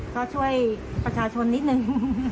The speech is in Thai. ก็ช่วยประชาชนนิดนึง